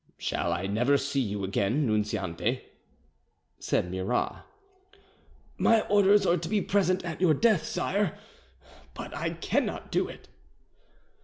"Shall I never see you again, Nunziante?" said Murat. "My orders are to be present at your death, sire, but I cannot do it."